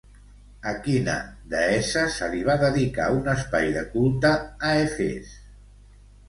A quina deessa se li va dedicar un espai de culte a Efes?